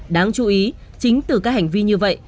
đáng chú ý chính từ các hành vi như vậy